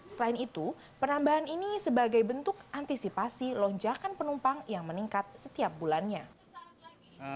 selain itu penambahan ini sebagai bentuk antisipasi lonjakan penumpang yang meningkat setiap bulannya